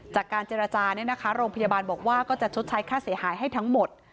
จากการเจรจาเนี่ยนะคะโรงพยาบาลบอกว่าก็จะชดใช้ค่าเสียหายให้ทั้งหมด